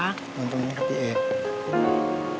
ตรงนี้ครับพี่เอ๊ย